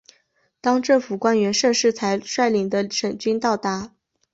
当政府官员盛世才率领的省军到达。